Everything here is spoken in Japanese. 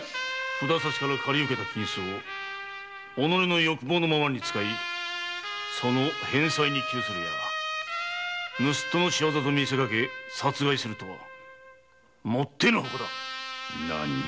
札差しから借り受けた金子を己の欲望のままに使い返済に窮するや盗っ人の仕業と見せかけ殺害するとはもってのほかだ！